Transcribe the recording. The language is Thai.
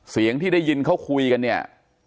เสียงที่ได้ยินเขาคุยกันเนี่ย